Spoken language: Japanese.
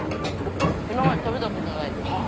今まで食べたことないです。